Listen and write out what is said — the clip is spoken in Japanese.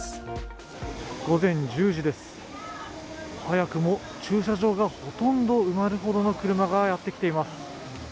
午前１０時です、早くも駐車場がほとんど埋まるほどの車がやってきています。